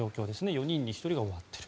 ４人に１人が終わっている。